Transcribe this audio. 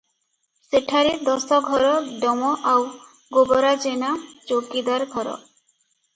ସେଠାରେ ଦଶଘର ଡମ ଆଉ ଗୋବରା ଜେନା ଚୌକିଦାର ଘର ।